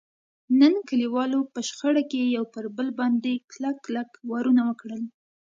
نن کلیوالو په شخړه کې یو پر بل باندې کلک کلک وارونه وکړل.